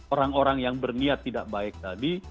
orang orang yang berniat tidak baik tadi